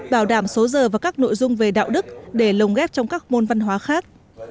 bảo đảm số giờ và các nội dung về đạo đức để lồng ghép trong các môn văn hóa khác